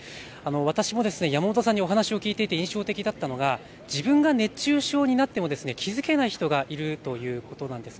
私も山本さんにお話を聞いていて印象的だったのが自分が熱中症になっても気付けない人がいるということなんです。